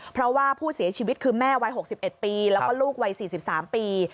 เพราะว่าผู้เสียชีวิตคือแม่วัย๖๑ปีแล้วก็ลูกวัย๔๓ปี